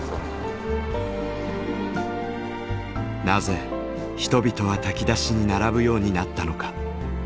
なぜ人々は炊き出しに並ぶようになったのか。